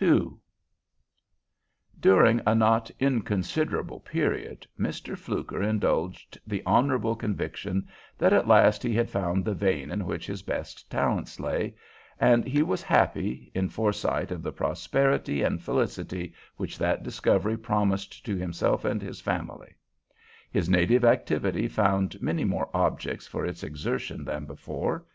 II During a not inconsiderable period Mr. Fluker indulged the honorable conviction that at last he had found the vein in which his best talents lay, and he was happy in foresight of the prosperity and felicity which that discovery promised to himself and his family. His native activity found many more objects for its exertion than before.